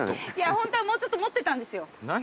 ホントはもうちょっと持ってたんですよ。